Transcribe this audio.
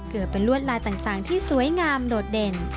เกิดเป็นลวดลายต่างที่สวยงามโดดเด่น